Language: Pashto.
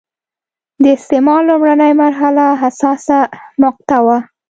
د استعمار لومړنۍ مرحله حساسه مقطعه وه.